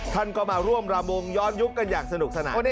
ท่านก็มาร่วมรำวงย้อนยุคกันอย่างสนุกสนาน